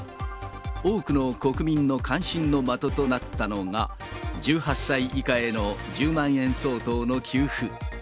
多くの国民の関心の的となったのが、１８歳以下への１０万円相当の給付。